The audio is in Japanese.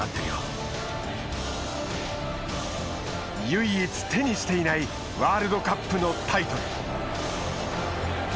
唯一手にしていないワールドカップのタイトル。